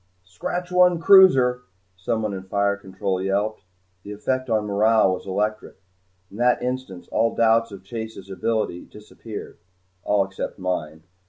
"Scratch one cruiser," someone in fire control yelped. The effect on morale was electric. In that instant all doubts of Chase's ability disappeared. All except mine.